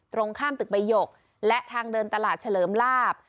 ตรงข้ามตึกใบหยกและทางเดินตลาดเฉลิมลาบ